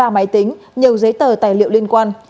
bốn mươi ba máy tính nhiều giấy tờ tài liệu liên quan